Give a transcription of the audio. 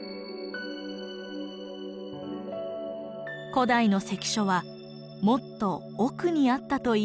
古代の関所はもっと奥にあったといいます。